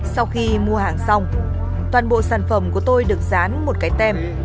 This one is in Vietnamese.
sau khi mua hàng xong toàn bộ sản phẩm của tôi được dán một cái tem